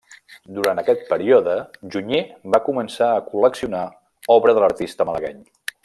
Durant aquest període, Junyer va començar a col·leccionar obra de l'artista malagueny.